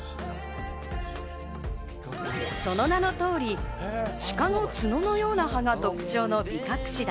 その名の通りシカの角のような葉が特徴のビカクシダ。